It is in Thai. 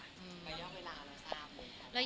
ระยะเวลาเราทราบเลยค่ะ